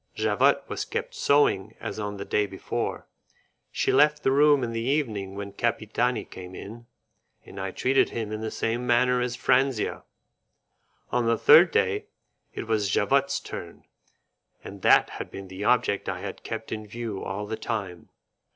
Javotte was kept sewing as on the day before; she left the room in the evening when Capitani came in, and I treated him in the same manner as Franzia; on the third day, it was Javotte's turn, and that had been the object I had kept in view all the time.